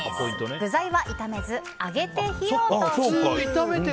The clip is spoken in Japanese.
具材は炒めず揚げて火を通す！